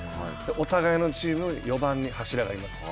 お互いのチーム、４番に柱がいます。